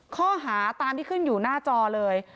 ข้อหาตามที่ขึ้นอยู่หน้าจอเลย